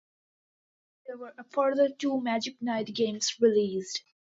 There were a further two Magic Knight games released.